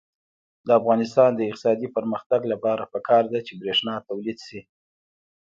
د افغانستان د اقتصادي پرمختګ لپاره پکار ده چې برښنا تولید شي.